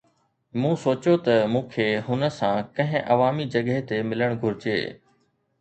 مون سوچيو ته مون کي هن سان ڪنهن عوامي جڳهه تي ملڻ گهرجي.